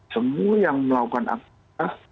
semua yang melakukan aktivitas